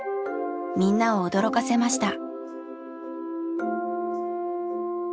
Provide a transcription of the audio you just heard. みんなを驚かせました。